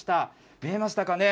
見えましたかね。